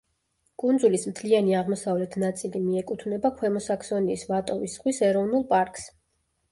კუნძულის მთლიანი აღმოსავლეთ ნაწილი მიეკუთვნება ქვემო საქსონიის ვატოვის ზღვის ეროვნულ პარკს.